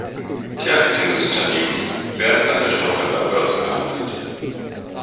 Die Aktien des Unternehmens werden an der Stockholmer Börse gehandelt.